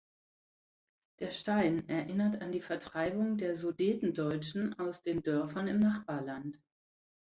Der Stein erinnert an die Vertreibung der Sudetendeutschen aus den Dörfern im Nachbarland.